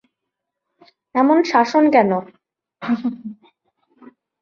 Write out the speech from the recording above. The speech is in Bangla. এমন শাসন কেন?